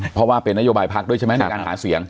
เพราะว่าเป็นนโยบายพักด้วยใช่ไหมในการหาเสียง